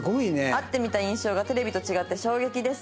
「会ってみた印象がテレビと違って衝撃です。